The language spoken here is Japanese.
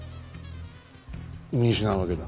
見失うわけだ。